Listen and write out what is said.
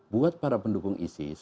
buat para pendukung isis